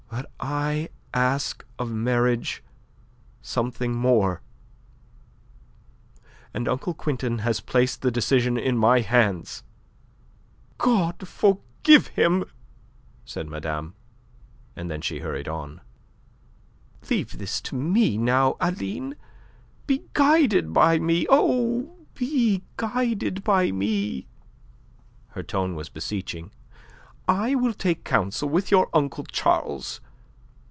But I ask of marriage something more; and Uncle Quintin has placed the decision in my hands." "God forgive him!" said madame. And then she hurried on: "Leave this to me now, Aline. Be guided by me oh, be guided by me!" Her tone was beseeching. "I will take counsel with your uncle Charles.